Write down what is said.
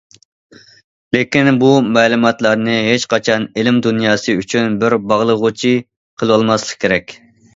لېكىن بۇ مەلۇماتلارنى ھېچقاچان ئىلىم دۇنياسى ئۈچۈن بىر باغلىغۇچى قىلىۋالماسلىق كېرەك.